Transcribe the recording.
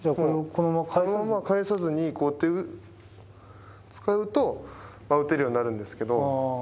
このまま返さずに、こうやって使うと、打てるようになるんですけど。